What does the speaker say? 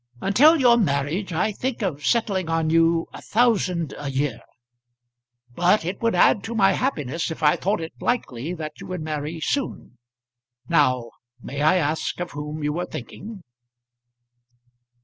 "Until your marriage I think of settling on you a thousand a year; but it would add to my happiness if I thought it likely that you would marry soon. Now may I ask of whom were you thinking?"